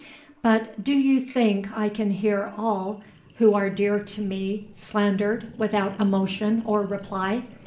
But do you think I can hear all who are dear to me slandered without emotion or reply?